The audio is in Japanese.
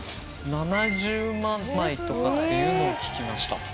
７０万枚とかっていうのを聞きました